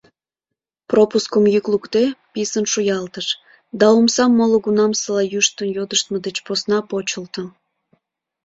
Пропускым йӱк лукде, писын шуялтыш, да омса молгунамсыла йӱштын йодыштмо деч посна почылто.